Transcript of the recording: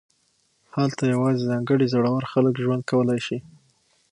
هلته یوازې ځانګړي زړور خلک ژوند کولی شي